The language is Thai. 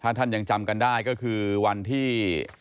ถ้าท่านยังจำกันได้ก็คือวันที่